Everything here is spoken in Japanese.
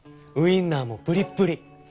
ウィンナーもプリップリ！